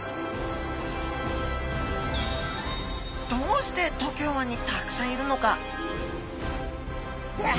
どうして東京湾にたくさんいるのか？